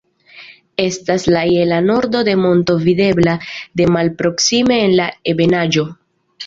Estas je la nordo de monto videbla de malproksime en la ebenaĵo.